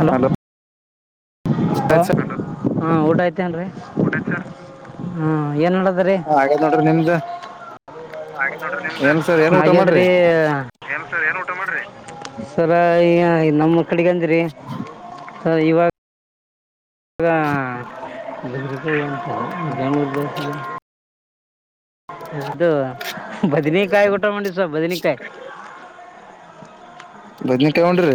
Hello ಹ ಹಾ ಊಟ ಆಐ್ತೇನ್ರರಿ ಹ್ಮ್ ಏನ್ ನಡದದ ರೀ ಹಾಗಾದ್ರಿ ನಿಮದ ಆಗ್ಯಡ್ರಿ ಎನ್ ಸರ ಎನ್ ಊಟ ಮಾಡ್ರಿ ಸರ ಈ ನಮ್ಮ ಕಡೆಗಂದ್ರೀ ಇವಾಗ [unintelligible] ಅದು ಬದನಕಾಯಿ ಊಟ ಮಾಡ ಸ ಬದನಕಾಯಿ ಬದನಿಕೈ ಉಂಡರಿ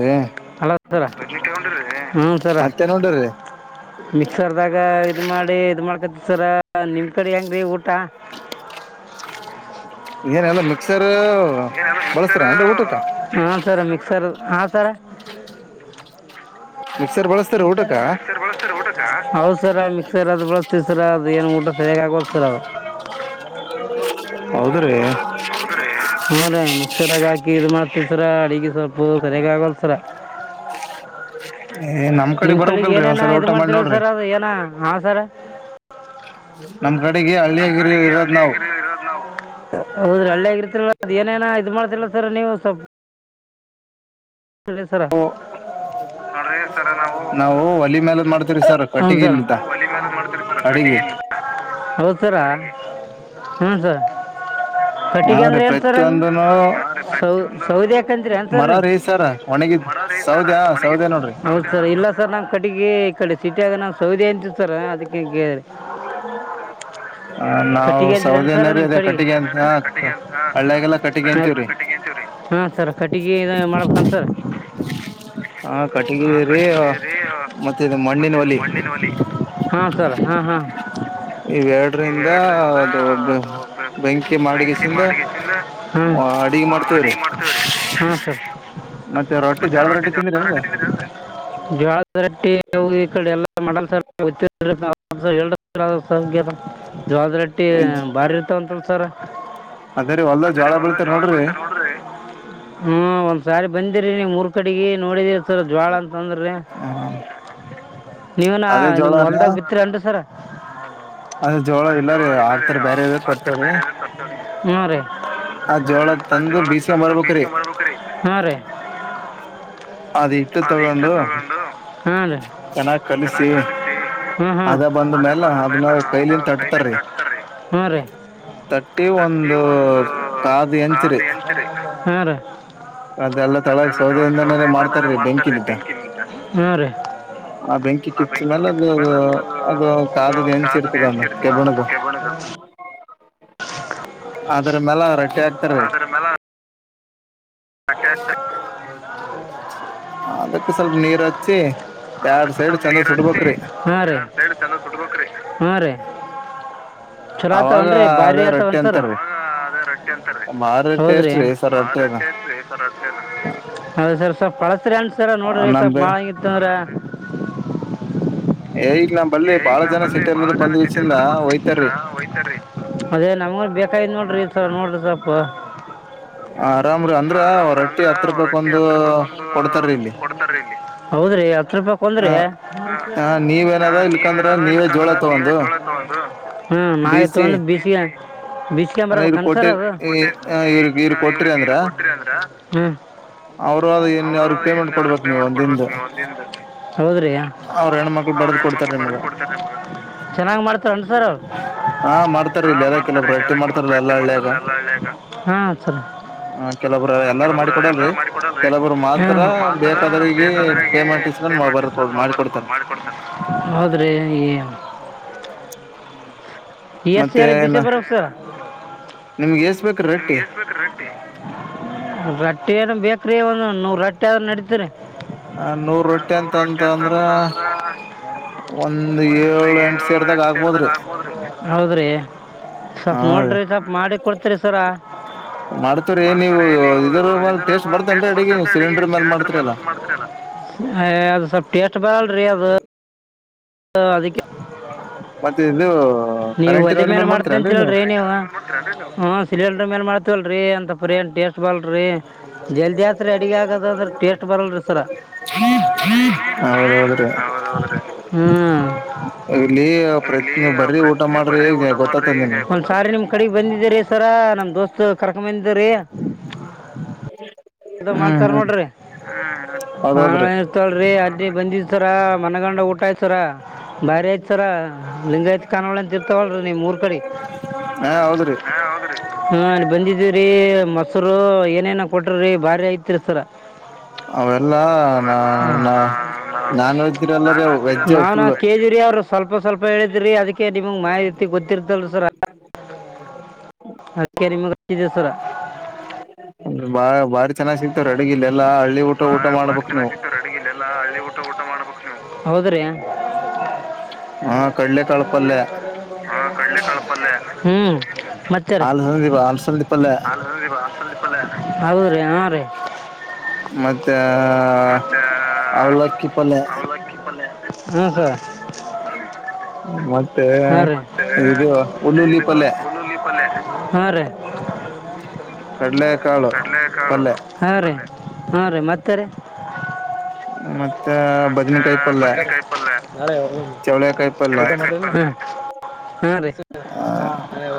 ಮತ್ತನ ಉಟರೀ ಮಿಕ್ಸರ್ದಾಗ ಇದ್ ಮಾಡಿ ಇದ್ ಮಾಡ್ಕತಿ ಸರ ನಿಮ್ ಕಡೆ ಹೆಂಗ್ರೀ ಊಟ ಮ ಹಾಂ ಸರ್ ಮಿಕ್ಸರ್ ಹಾಂ ಸರ ಬಳಸ್ತಾರೆ ಊಟ ರ ಮಿಕ್ಸರ್ ಅದು ಬಳರ ಅದು ಏನು ಊಟ ಸೇಗ ಆಗಲ್ ಸರ ಅದು ಹೌದ್ರೆ ಮಿಕ್ಸರ್ಗ ಹಾಕಿ ಇ್ ಮಾಡ್ತಸರ ಅಡ್ಿಗೆ ಸ್ವಲ್ಪ ಸರಿಯಾಗಿ ಆಗಲ್ಸರ ನಿಮ್ಮ ಕಳಿಗೆ ಏನೇನ ಇದು ಮಾಡ್ತಿರಲ್ಲ ಸರ್ ಅದು ಏನ ಹಾಂ ಸರ ನನ್ನ ಕಡೆಗೆ ಹಳ್ಳಿಯಾಗಿರಿ ಇರೋದು ನಾವು ಹೌದ್ರೀ ಹಳ್ಳಿಯ ಆಗಿರ್ತಿರಲ್ಲ ಅದ ಏನೇನ ಇದು್ ಮಾಡ್ತಿರಲ್ಲ ಸರ್ ನೀವು ಸ್ವಲ್ಪ ನಾವು ಹಲಿ ಮ್ಯಾಲದ್ ಮಾಡ್ತೀರಿ ಸರ್ ಕಟ್ಟಿಿಗೆ ಇಲ್ಲಿ ದ್ದ ಹೌದು ಸರ ಹಞ ಸರ್ ಕಟ್ಟಿಗೆ ಅಂದ್ರ ಏನ್ಸರ್ಂಗ ಸೌ ಸೌದಿ ಯಾಕಂದ್ರ ಏನ್ ಸರ್ ನೀ ಸರ ವಣ್ಯಕ್ ಹೌದ ಸರ್ ಇಲ್ಲ ಸರ್ ನಮ್ಮ್ ಕಡೆಿಗೆ ಈ ಕಡೆ ಸಿಟಿಿಯಾಗ ನ್ ಸೌದೆ ಎಂತ ಕೊತರ ಅದಕ್ಕೆ ಕ ಹ ಹ ನಾವವು ಸೌದನ್ರೀ ಅದೇ ಕಟ್ಟಿಗೆ ಅಂತ ಹ ಹಳ್ಳಾಗಲ್ಲ ಕಟ್ಟಿಗೆ ಅಂತೀವ್ರೀ ಹಾಂ ಸರ್ ಕಟ್ಟಿಗೆ ಮಾಡಬೇಕಕ ಸರ್ ಹ ಕಟ್ಂಗ ಮತ್ತ ಮಣ್ಣಿನ ಒಲಿ [inaudible] ಹ್ಮ್ ಹ್ಮ್ ಇ ಎರಡರಿಂದ ಅದು ಒಬ ಬೆಂಕಿ ಮಾಡಿಗೆದ ಅಡಿಗೆ ಮಾಡ್ತೇವ್ರಿ ರ ಜ ಜವ ರಟ್ಟ [inaudible] ಈ ಕಡೆ ಎಲ್ಲ ಮಾಡ ಸರ್ [inaudible] ಸ ಜವಾಜ ರಟ್ಟಿ ಬಾರಿ ಇರ್ತವಂತಲ್ ಸರ್ [inaudible] ಅದ ಒಲ್ಲ ಜ್ವಳ ಬೆತ ನೋಡ್ರಿ ಹ ಸಾರಿ ಬಂದಿರಿ ನೀವು ಮೂರ್ ಕಡೆಗೆ ನೋಡಿದಿ ಸರ ಜ್ವಾಳ ಅಂತ ಅಂದ್ರಿ ನೀವನ ನಿಮ್ ಹೊಲ್ದಾಗ ಬಿತ್ರಿ ಅಂಟು ಸರ ಅದಳ ಇಲ್ಲಾರೆ ಡಾಕ್ಟರ್ ಬೇರೆ ಎಾರ ಕೊರ್ತ ಆ ಜ ಸಂ ಬ [inaudible] ಅದ ಇಷ್ಟ ತಗೊಂಡುನ್ನ ಕಿಸಿ [inaudible] ಹ್ಮ್ ಹ್ಮ್ ಹ್ಮ ರೀ [inaudible] ತಟ್ಟಿ ಒಂದು ಕದು ಹೆಂಚ ರೀ ಅದೆಲ್ಲ ತಳಗ್ ಸೌದಿಂದನ ಮಾಡ್ತಾರೀ ಬೆಂಕಿನಿಂದ ಆ ಬೆಂಕಿ ಕಿಚ್ಚ ಮೇಾಲ ಅದು ಅದು ಕಾದ್ದ ಹೆಂಚಿ ಇರ್ತದ್ಣ ಕೆಬ್ಬಣದ ಹ್ಮ ಖ [inaudible] ಆದ್ರ ಮೆಲ ರಟ್ಟೆ ಹಗ್ತಾರೆ ಹೆ [inaudible] ಅದಕ್ ಸ್ವಲ್ಪ ನೀರ್ ಹಚ್ಚಿ ಎರಡ್ ಸೈಡ್ ಚಂದ ಸುಡ್ಬ್ರಿ [inaudible] ಹಾ ರ ಹಾ ರೀ ಅವಾಗ ಅದ ರೊಟ್ಟಿ ಅಂತಾರೀ ಮಾರಟೇಸ್ ರೀ ಸರ್ ಅಟ್ಟೆದ ಅೌದ ಸರ್ ಸ್ವಲ್ಪ್ ಅಳತ್ರಿ ಅನ್ಸರ ನೋಡ್ರಿ ಸ್ವಲ್ಪ್ ಮಾಡ ಹಂಗಿತ್ತು ಅಂದ್ರ ನ್ರ [inaudible] ಹಗ ನಲ್ಲಿ ಬಾಳ ಜನ ಚಟಿ ಎ ಬಂದ ಹೊಯ್ತ ಅದ ನಮ ಬ [inaudible] ನೋಡ್ರಿ ಸ ನೋಡ್ರಿ ಸಪ್ಪ ಆರಾಮ್ರ್ರ್ ಅಂದ್ರ ಅವ್ರೊಟ್ಟಿ ಹತ್ತು ರೂಪಾಯಕದು ಕೊಡ್ತಾರೀ ಇಲ್ಲಿ ಹೌದ್ರಿ ಹತ್ ರೂಪಾಯ ಕೊಂದ್ರಿ ಹಾ ನೀವ್ಏನಾದ ಇ ಹ್ಮ ನಾವ ಇತ್ತು ಒಂದು ಬಿಸಿ ಬಸ್ ಕ್ಯಾಮ್ರ ಬ ಅನ್ಸರ್ದ ಕೊಟ ಅಂದ್ರ ಹ್ಮ ಅವರು ಅವ್ರಗ್ ಪೇಮೆಂಟ್ ಕೊಡ್ಬೇಕ ನೀವು ಒಿನದಲ್ಲಿ ಹೌದ್ರಿ ಅವ್ರ ಹೆಣ್ಮಕ್ಳು ಬಡದ್ ಕೊಡ್ತಾರೆ ನಿಮ್ಗ ಹಾ ಮಾಡ್ತಾರ ಇಲ್ಲ ಯದ ಕೆಲವರು ರಟ್ಟಿ ಮಾಡ್ತಾರಲ್ಲ ಎಲ್ಲ ಹಳ್ಳಿಯಾಗ ಹಾ ಚರಿ ಹ ಕೆಲವ್ರ ಎಲ್ಲಾರು ಮಾಡಿ ಕೊಡಲ್ರಿ ಕೆಲವರು ಮಾತ್ರ ಬೇಕಾದ್ರಗ ಪೇಮೆಂಟ್ ಇಸ್ಕೊಂಡ್ಬರ್ದಕೊ ಮಾಡ ಹೌದ್ರಿ ಈ [inaudible] ಎಸ್ ಸಿರ್ ಬಿಸಿ ಬರೋಸ [inaudible] ರೊಟ್ಟಿ ಏನು ಬೇಕ್ರಿ ಒಂದು ರೊಟ್ಟಿ ಆದದ ನಡತೀರಿ ಹಬ್ದ್ ನೂರು ರೊಟ್ಟಿ ಅಂತಂತಂದ್ರ ಒಂದು ಏಳು ಎಂಟು ಹೌದ್ರಿ ಸ್ವಪ ನೋಡ್ರಿ ಸ್ವಲ್ಪ ಮಾಡಿ ಕೊಡ್ತರಿ ಸರ ಮಾಡ್ತ್ರ ನೀವು ಇದರ ಸೇಟ್ ಬರ್ತ ಅಂತ ಅಡುಗೆ ಸಿಲಿಂಡರ್ ಮೇಲೆ ಹ ಅದು ಸ ಟೆಸ್ಟ್ ಬಲ್ ರದು ಅಧಕ್ಕೆ ಇದು ನೀವ ಒಲ್ಲಿ ಮೇಲ್ ಮಾಡ್ತ ಅಂತ ಅಲ್ರರಿ ನೀವು ಹ ಸಿಲಿಂಡರ್ ಮೇಲ್ ಮಾಡ್ತವಲ್ರರಿ ಅಂತ ಪೂೇ ೇಶಸ್ [unintelligible] ಬಲ್ರಿ ಜಲ್ದಿ ಹತ್ರಿ ಅಡಗೆ ಆಗದ ಅಂದ್ರ ಟೇಸ್ಟ್ ಬರಲ್ರಿ ಸರ ಹ್ಮ ಹೌದದದೇ ಹ್ಮ್ ಅಲ್ಲಿ ಬಡ್ರಿ ಊಟ ಮಾಡ್ರಿ ಬಂದಿದ್ದೀರಿ ಸರ ನಮ್ ದೋಸ್ತ್ ಕರ್ಕ ಬಂದ ಹ [inaudible] ಅದು ಮಾಡ್ತಾರ ನೋಡ್ರಿ ಆನ್ಲೈನ್ ಇರ್ತಲ್ ರೀ ಅಜಡಿ ಬಂದತ್ತುು ಸರ ಮನಗಂಡ ಊಟ ಆಯ್ತ ಸರ ಭಾರಿ ಆಯ್ತು ಸರ ಲಿಂಗಾಯತ ಕಾಣೋಳ ಅಂತ ಇರ್ತವಲ್ರರಿ ನಿಮೂರ್ ಕಡೆ ಹಾ ಹೌದ್ರಿ ಹಾ ಹೌದ್ರಿ ಹ್ಮ ಅಲ್ಲಿ ಬಂದಿದ್ದೀವ್ರೀ ಮೊಸರು ಏನೇನ ಕೊಟ್ರೀ ಭಾರಿ ಐತಿರಿ ಸರ ಅವೆಲ್ಲಾ ನಾ ನಾ ನಾನಾ ಕೇಜರಿ ಅವ್ರರು ಸ್ವಲ್ಪ ಸ್ವಲ್ಪ ಹೇಳಿದ್ರಿ ಅದಕ್ಕೆ ನಿಮಗ್ ಮಾಹಿತಿ ತ್ತಿತಲು [unintelligible] ಸರ ಹ [inaudible] ಅದಕ್ಕೆ ನಿಮಗ್ ಅಚ್ಚಿದೇವು ಸರ್ ಬಾ ಬಾರಿ ಚೆನ್ನಾಗಿ ಸಿಗ್ತವ್ರಿ ಅಡಗಿ ಇಲ್ಲ ಬಾ ಬಾರಿ ಚೆನ್ನಾಗ್ ಸಿಗತಾವ್ರಿ ಅಡಗಿಲ್ಲೆಲ್ಲ ಎಲ್ಲಾ ಹಳ್ಳಿ ಊಟ ಊಟ ಮಾಡ್ಬೇಕ ನೀ ಹೌದ್ರಿ ಹಾ ಕಡ್ಲೆ ಕಾಳಪಲ್ಯಾ ಹಾ ಕಡ್ಲೆ ಕಾಳ್ ಪಲ್ಯ ಹ್ಮ್ ಮತ್ತ ಹೌದ್ರೀ ಹಾ ರೀ ಮತ್ತೆ ಹ ಮತ್ತೆ ಅವಲಕ್ಕಿ ಪಲ್ಯ ಹ ಮತ್ತ [unintelligible] ಹಾ ರೀ ಮತ್ತೆ ಉಲ್ಲುಲ್ಲಿ ಪಲ್ಯ ಕಡ್ಲೆ ಕಾಲು ಪಲ್ಯ ಹೌದು ರಿ ಹಾ ರೀ ಮತ್ತೆ ರಿ ಮತ್ತೆ ಬದನೆಕಾಯಿಪಲ್ಯ ಚವಳೆಕಾಯಿ ಪಲ್ಯ ಹಾ ರೀ [inaudible] ಹಾ ರೀ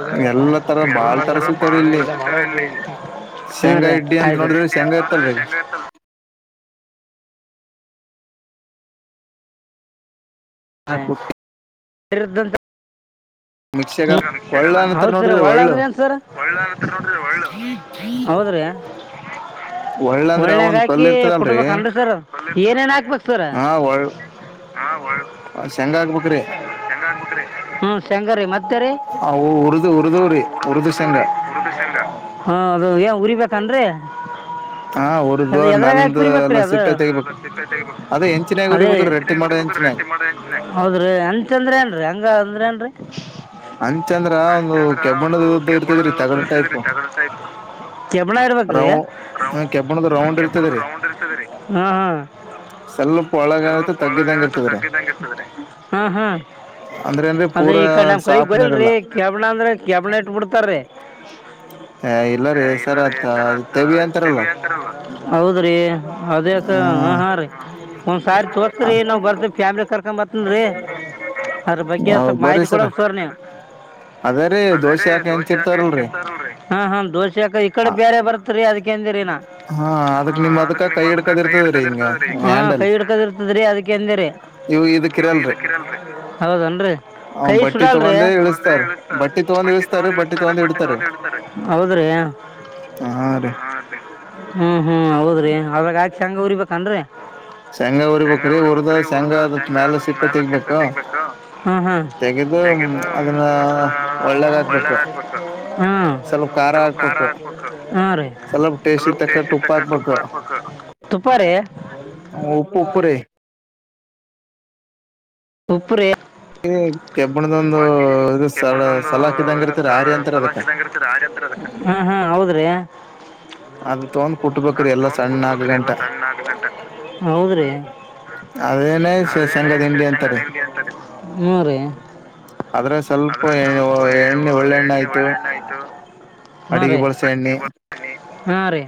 ಆಯ್ತ ರಿ ಹಾಕ್ಬೇಕು ದ್ದಂತ [unintelligible] ಹೌದ ಸರ ಒಳ್ಳ ಅಂದ್ರೆ ಏನ್ ಸರ್ ಒಲ್ ಒಳ್ ಕುರೆ ಒಳ್ಳೇಗ ಹಾಕಿ ಕುಟ್ಬೇಕ ಏನ್ ಸರ್ ಏನೇನ್ ಹಾಕ್ಬೇಕ ಸರ್ ಹ ಹ್ಮ ಒಲ್ ಎಲ್ಲ ಹಾಕ್ಬೇಡಿ ಹ ಉರುದು ಉರುದೂರಿ ಉರುದುವ್ ಶೇಂಗಾ ಹಾ ಅದು ಏ ಉರಿಬೇಕನ್ರೀ ಹಾ ಉರ್ದ್ವ ಮ್ಯಾಲಂದ ಎಲ್ಲ ಸಿಪ್ಪೆ ತೆಗಿಬೇಕು ಅದೇ ಹೆಂಚಿನಯಾಗ ಉರಿಬೇಕ್ರ ರೆಟ್ಟಿ ಮಾಡ [inaudible] ಹೌದ್ರಿ ಹಂಚ ಅಂದ್ರ ಏನ್ರಿ ಹಂಗ ಅಂದ್ರ ಏನ್ರಿ ಹಂಚ ಅಂದ್ರ ಒಂದು ಕೆಬ್ಬಣ್ಣದ ಇದುಪರ್ತಿದ್ರಿ ತಗಡದ ಟೈಪ್ ಕೆಬ್ಬಣ ಇರಬೇಕ್ರಿ ಹ್ಮ ಹ್ಮ ಕೆಬ್ಬಣದು ರೌಂಡ್ ಇರ್ತಾದ್ರಿ ಹಾ ಹ ಸಲ್ಪ ಒಳಗ ಏನಾಯ್ತು ತಗ್ಗಿದಂಗರ್ತಿದ್ರಿ ಹ್ಮ್ ಹ್ಮ್ ಅದ ಈ ಕಡಿ ನಮ್ ಕಡಿಗ್ ಬಲ್ರಿ ಕ್ಯೆಬಿನ ಅಂದ್ರೆ ಕ್ಯೆಬಿನ ಇಟ್ ಬಿಡ್ತಾರೀ [unintelligible] ಎ ಇಲ್ಲಾರಿ ಸರ್ ಕಿವಿ ಅಂತಾರಲ್ಲ ಹೌದ್ರಿ ಅದೇ ಹ ಹಾ ರೀ ಒಂದ್ ಸಾರಿ ತೋರ್ಸರಿ ನಾವ್ ಬರ್ತೀವಿ ಫ್ಯಾಮಿಲಿ ಕರ್ಕೊಂಡ್ ಬರ್ತಿನ್ ರಿ ಅದ್ರ ಬಗ್ಗೆ ಸ್ವಲ್ಪ ಮಾಹಿತಿ ಕೊಡ್ಬೇಕ ಸರ್ ನೀವ್ ಅದೆ ರಿ ದೋಸೆ ಹಾಕೋ ಹಂಚಿನ್ ಇರ್ತಾವ ಅಲ್ರಿ ಹ ಹ ದೋಸೆ ಹಾಕ ಈ ಕಡೆ ಬೇರೆ ಬರ್ತ್ರಿ ಅದ್ಕೆ ಅಂದೇರಿ ನಾ ಹ ಅದಕ ನಿಮ್ಮದಕ ಕೈ ಹಿಡ್ಕದ ಇರ್ತದ್ರಿ ಹ ಕೈ ಹಿಡ್ಕದ್ ಇರ್ತದ್ರಿ ಅದಕ್ಕೆ ಅಂದೇರಿ ಇವು ಇದಕ್ ಇರಲ್ರಿ ಹೌದನ್ರರಿ ಅವನ ಬಟ್ಟಿ ಅಲ್ರಿ ತಗೊಂದ ಇಳಸ್ತರ ಬಟ್ಟಿ ತಗೊಂಡ್ ಇಳಸತಾರ್ರಿ ಬಟ್ಟಿ ತಗೊಂಡ್ ಇಡ್ತಾರ ಹೌದ್ರಿ ಹ್ಮ್ ರೀ ಹ್ಮ್ ಹ್ಮ್ ಹೌದ್ರಿ ಅದ್ರಾಗ ಹಾಕಿ ಶೇಂಗಾ ಹುರಿ ಬೇಕ್ ಅನ್ರಿ ಶೇಂಗಾ ಉರಿಬೇಕ್ರಿ ಉರ್ದ ಶೇಂಗಾ ಅದು ಮ್ಯಾಲಿನ ಸಿಪ್ಪೆ ತಗಿಬೇಕ ಹ್ಮ್ ಹ್ಮ್ ತಗೆದು ಅದರ್ನ ಓಳ್ಳಾಗ್ ಹಾಕ್ಬೇಕು ಹ ಸಲ್ಪ ಖಾರ ಹಾಕ್ಬೇಕು ಹ್ಮ್ ರಿ ಸ್ವಲ್ಪ ಟೆಸ್ಟಿಗೆ ತಕ್ಕಟ ಉಪ್ಪ ಹಾಕಬೇಕ ತುಪ್ಪ ರೀ ಉಪ್ಪ ಉಪ್ಪು ರೀ ಉಪ್ಪ ರಿ ಹ್ಮ ಪಾಕಿ ಕೆಬ್ಬಣದೊಂದು ಸಲಾಶಿದಂಗ ಇರ್ತದ [unintelligible] ಹತ್ರ ಅದ ಹ್ಮ್ ಹೌದ್ರಿ ಅದ ತೋಂಡ ಕುಟ್ಬೇಕ್ರಿ ಎಲ್ಲ ಸಣ್ಣ ಆಗತ್ತನ ಹೌದ್ರಿ ಅದೇನೆ ಶೇಂಗಾದ ಹಿಂಡಿ ಅಂತಾರಿ ಹ್ಮ್ ರಿ ಆದ್ರಾಗ ಸ್ವಲ್ಪ ಎಣ್ಣಿ ಒಳ್ಳ ಎಣ್ಣಿ ಆಯ್ತು ಅಡಗಿ ಬಳಸ ಎಣ್ಣಿ ಹ್ಮ್ ರಿ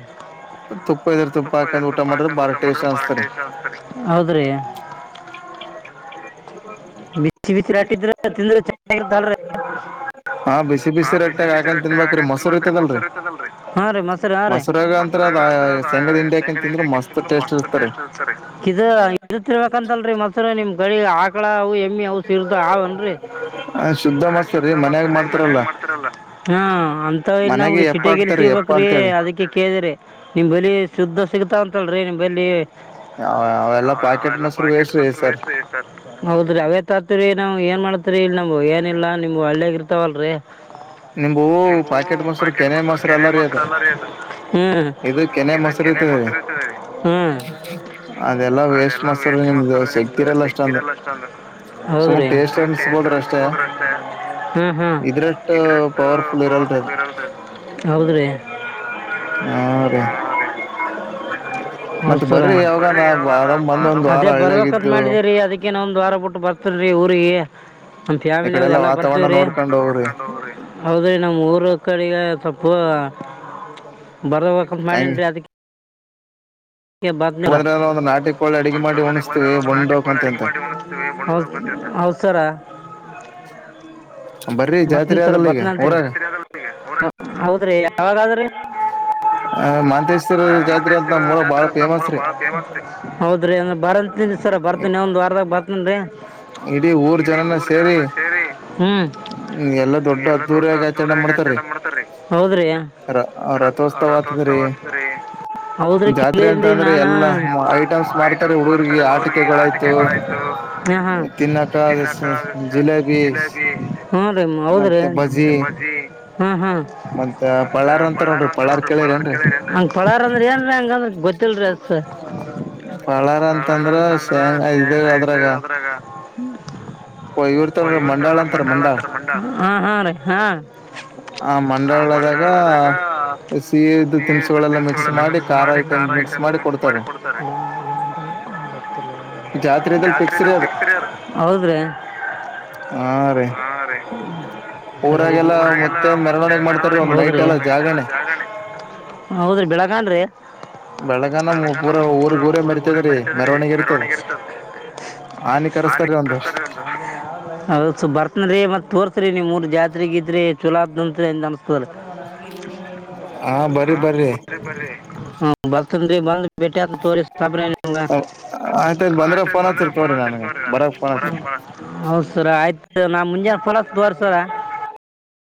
ತುಪ್ಪ ಇದ್ರ ತುಪ್ಪ ಹಾಕಂಡ ಊಟ ಮಾಡಿದ್ರ ಬಾಳ ಟೇಸ್ಟ್ ಆತದ್ರಿ ಹೌದ್ರಿ ಹ್ಮ್ ಬಿಸಿ ಬಿಸಿ ರೊಟ್ಟಿ ಇದ್ರ ತಿಂದ್ರ ಚೆನ್ನಾಗಿರುತ್ತದ ಅಲ್ಲರಿ ಹ ಬಿಸಿ ಬಿಸಿ ರೊಟ್ಟಿ ಹಾಕಂಡ್ ತಿನ್ಬೇಕ್ರಿ ಮೊಸರ್ ಇರ್ತದ ಅಲ್ರೀ ಹಾ ರಿ ಮೊಸ್ರ ಹೂ ರೀ ಮೋಸ್ರಾಗ್ ಅಂತಂರದ ಅದು ಶೇಂಗಾದ ಹಿಂಡಿ ಹಾಕಂಡ್ ತಿನ್ಬೇಕ್ರಿ ಮಸ್ತ್ ಟೆಸ್ಟ್ ಇರ್ತಾದ್ರಿ ಕಿದ ಇದು ತಿನ್ನಬೇಕ ಮೊಸರ ನಿಮ್ ಕಡಿ ಆಕಳ ಅವು ಎಮ್ಮಿ ಅವು ಸಿರ್ದ ಅವನ್ರಿ ನಾವ ಶುದ್ದ ಮಾಡ್ತಿವರಿ ಮನ್ಯಾಗ ಮಾಡ್ತಾರಲ್ಲ ಹ ಅಂತವಿಲ್ಲ ನಮಗ ಸಿಟ ಲ್ ಸಿಗ್ಬೇಕ್ರೀ ಅದಕ್ಕೆ ಕೇಳಿದೆರಿ ನಿಮ್ ಬಲಿ ಶುದ್ಧ ಸಿಗ್ತಾವ ಅಂತಲ್ರರಿ ನಿಮ್ ಬಲ್ಲಿ ಅವೆಲ್ಲಾ ಪಾಕಿಟ ಮೊಸರ ವೆಸ್ಟ್ ಹೌದ್ರಿ ಅವೇ ತರ್ತಿರಿ ನಾವ್ ಏನ್ ಮಾಡ ತ್ರಿ ಇಲ್ ನಮಬುವ ಏನಿಲ್ಲ ನಿಮುವ ಹಳ್ಯಾಗ ಇರ್ತಾವಲ್ರರಿ ಹ್ಮ್ ನಿಮಬುವು ಪಾಕಿಟ್ ಮೊಸರು ಕೆನೆ ಮೊಸರು ಅಲ್ಲಾರಿ ಅದು ಇದು ಕೆನೆ ಮೊಸರು ಅದೆಲ್ಲಾ ವೇಸ್ಟ್ ಮಸ್ರು ನಿಮ್ದು ಶಕ್ತಿರಲ್ಲ ಅಷ್ಟೊಂದು ಷ್ಟಂದು ಸುಮ ಟೇಸ್ಟ್ ಅನ ಹ್ಮ್ ಹ್ಮ್ ಇದರಷ್ಟ ಪವರ ಫುಲ್ ಇರಲ್ಲರೀ ಹೌದ್ರೀ ಹ್ಮ್ ರೀ ಹೌದ ಸರ್ ಮತ್ತ ಬರಿ ಎವಗನ ಅದೇ ಬರ್ಬೇಕತ ಮಾಡಿದೀವರಿ ಅದಕ್ಕೆ ಇನ್ನೊಂದ ವಾರ ಬಿಟ್ಟ ಬರ್ತ ರೀ ಊರೀಗಿ ನಮ ಫ್ಯಾಮಿಲಿ ಎಲ್ಲ ಬರ್ತವ್ರಿ ಹೌದ್ರಿ ನಮ್ಮ್ ಊರ ಕಡಿಗ ಸ್ವ ಸ್ವಲ್ಪ ಬರಬೇಕಂತ ಮಾಡೇನ್ರಿ ಅದಕ್ಕೆ ಬರ್ತಾರಾ [unintelligible] ಹೌದ್ ಸರಾ [inaudible] ಮತ್ತನ್ [unintelligible] ಸರ್ ಬರ್ತನತ್ರಿ ಹೌದ್ರಿ ಯಾವಾಗದ್ರಿ. ಆ ಮಾಂತೇಶ್ವರ ಜಾತ್ರೆ ಅಂತ ನಮ್ಮೂರಗ ಬಾಳ ಬಾಳೆ ಪೇಮಂಸ್ಹೌದ್ರಿ ಅಂದ್ರ ಬರಿ ಸರ್ಬರ್ತೀನಿ ಒಂದ್ ವಾರದಾಗ ಬರ್ತನಿ. ಇಡೀ ಊರ್ ಜನಾನೇ ಸೇರಿ ಹ್ಮ್, ದೊಡ್ ಆದ್ಧೂರಿಯಾಗಿಮಾಡ್ತಾರಿ. ಹೌದ್ರಿ, ರಥೋತ್ಸವ ಹೌದ್ರ [unintelligible] ಏನ್ರೀ ನಾನ [unintelligible] [inaudible] ಐ ಮಾಡತ ಆಟ್ತು ಹ ಹ ತಿನ್ನಕ್ಕಜಿಲೇಬಿ, ಹ್ಮ್, ರೀ ಹೌದ್ರಿ ಬಜ್ಜಿ ಹ್ಮ್, ಪ್ಯಾರ್ ಅಂತಾರೆ ನೋಡ್ರಿ ಹಂಗಾರ ಅಂದ್ರ ಏನ್ಂಗಂದ್ರಾ., ಗೊತ್ತಿಲ್ರೀ, ಅಂತಂದ್ರ ಅದ್ರಾಗ ಇವ ಮಂಡಾಳ ಅಂತರ ಮಂಡಾಳ, ಹ ಹ ಹ, ಮಂಡಳದಾಗ ತಿನಿಸುಗಳೆಲ್ಲ ಮಿಕ್ಸ್ ಮಾಡಿ, ಖಾರ ಐಟಮ್ ಮಿಕ್ಸಮಾಡಿ ಕೊಡ್ತಾರೆ. ಹ [inaudible] ಜಾತ್ರೆ ಇದ್ದಾಗ ಪಿಕ್ಸ್ ರಿ ಅದು. ಹಾ, ರೀ ಊರಾಗೆಲ್ಲ ಮತ್ತೆ ಮೆರವಣಿಗೆ ಮಾಡ್ತಾರೀ ಒಂದು ನೈಟ್ ಎಲ್ಲ ಜಾಗರಣೆ. ಹ್ಮ್ [inaudible] ಹೌದ್ರಿ ಬೆಳಗನ್ರಿ ಬೆಳಂಗಾಲ ಊರ ಊರಿಗೆ ಊರ ಮೆರ್ತದ್ರೀ ಮೆರವಣಿಗೆ ಇರ್ತದ. ಆನಿ ಕರೆಸ್ತಾರ ಒಂದು ಹೌದ, ಸ್ವಲ್ಪ ಬರ್ತನೀ ಮತ್ ತೋರ್ಸ್ರಿ ನಿಮ್ಮೂರ ಜಾತ್ರಿ -ಗಿತ್ರಿಚೋಲ ಆತದಂತ. ಅನ್ ಹಾ, ಬರಿ -ಬರಿ ಬರ್ತೀನ್ರಿ, ಬಂದು ಬೆಟ್ಟಿ ಮಾಡ್ತಿನಿ ತೋರಿ ನಿಮಗೆ. ಆಯ್ತ, ಹೌದ ಸರಿ ಆಯ್ತು ನಾನ ಮುಂಜಾನೆಫೋನ್ ಹ [inaudible]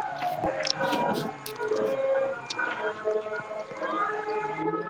ಹ [unintelligible] ಹ್ಮ [inaudible] [unintelligible]